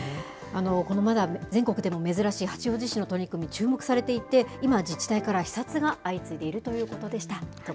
まだ全国でも珍しい八王子市の取り組み、注目されていて、今、自治体から視察が相次いでいるということでした。